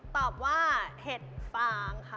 ตอบว่าเห็ดฟางค่ะ